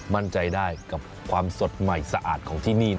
มั่นใจได้กับความสดใหม่สะอาดของที่นี่